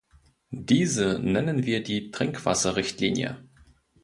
Diese nennen wir die Trinkwasserrichtlinie.